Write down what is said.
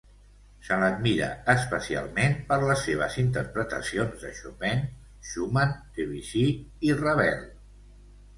Se l'admira especialment per les seves interpretacions de Chopin, Schumann, Debussy i Ravel.